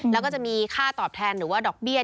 แล้วก็จะมีค่าตอบแทนหรือว่าดอกเบี้ย